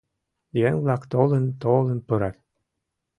Еҥ-влак толын-толын пурат.